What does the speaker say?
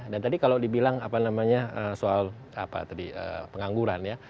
dan tadi kalau dibilang soal pengangguran ya